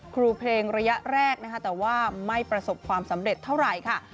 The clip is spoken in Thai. ครูเพลงระยะแรกนะคะแต่ว่าไม่ประสบความสำเร็จเท่าไหร่ค่ะ